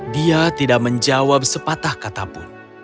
dia tidak menjawab sepatah katapun